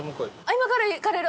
今から行かれる。